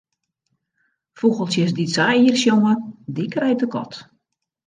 Fûgeltsjes dy't sa ier sjonge, dy krijt de kat.